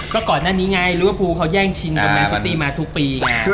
ก็ก่อนหน้านี้ไงลิเวอร์พูลเขาแย่งชินกับแมนซิตี้มาทุกปีไง